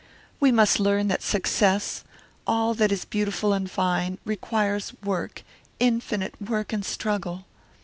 We must learn that success, all that is beautiful and fine, requires work, infinite work and struggle.